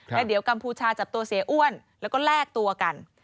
แล้วเดี๋ยวกัมพูชาจับตัวเสียอ้วนแล้วก็แลกตัวกัน